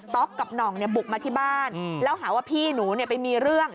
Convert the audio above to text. ต๊อกกับหน่องเนี้ยบุกมาที่บ้านอืมแล้วหาว่าพี่หนูเนี้ยไปมีเรื่อง